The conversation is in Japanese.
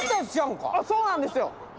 そうなんですよ。